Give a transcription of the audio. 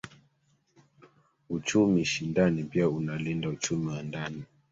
Uchumi shindani pia unalinda uchumi wa ndani